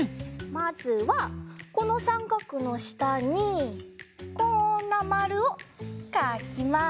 まずはこのさんかくのしたにこんなまるをかきます。